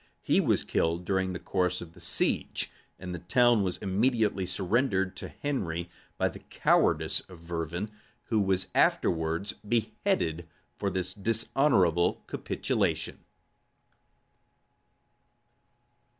He was killed during the course of the siege, and the town was immediately surrendered to Henry by the cowardice of Vervin, who was afterwards beheaded for this dishonorable capitulation.